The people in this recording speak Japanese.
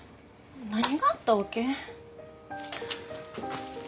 何があったわけ？